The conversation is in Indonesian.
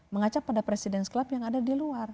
mengacap pada presiden s club yang ada di luar